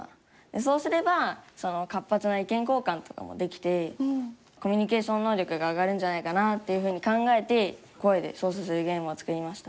そうすれば活発な意見交換とかもできてコミュニケーション能力が上がるんじゃないかなっていうふうに考えて声で操作するゲームを作りました。